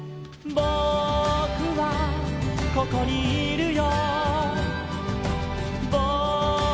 「ぼくはここにいるよ」